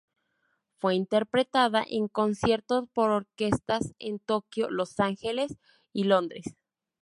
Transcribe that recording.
Fue interpretada en concierto por orquestas en Tokio, Los Ángeles y Londres.